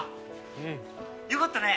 うんよかったね